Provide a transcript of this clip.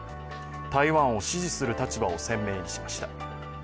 台湾を支持する立場を鮮明にしました。